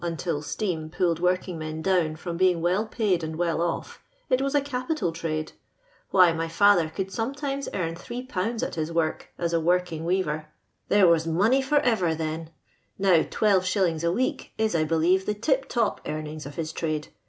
until steam pulled working men do\%iiVrom I'ein;,' Well paid and well off, it was a capiud irml\ wViy, my father c'»uld sometimes earn Hi. at his work as a working weaver; there was money for erer then ; now 12<. a week is, I be lieve, the tip top earnings of his trade.